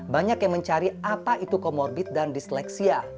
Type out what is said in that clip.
banyak yang mencari apa itu comorbid dan disleksia